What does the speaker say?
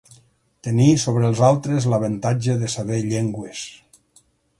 Tenir sobre els altres l'avantatge de saber llengües.